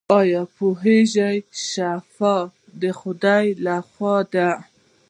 ایا پوهیږئ چې شفا د خدای لخوا ده؟